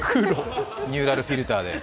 ニューラルフィルターで？